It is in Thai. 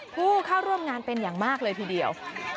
ผู้เข้าร่วมงานเป็นอย่างมากเลยทีเดียว